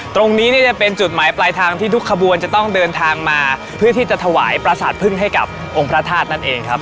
ตรงนี้เนี่ยจะเป็นจุดหมายปลายทางที่ทุกขบวนจะต้องเดินทางมาเพื่อที่จะถวายประสาทพึ่งให้กับองค์พระธาตุนั่นเองครับ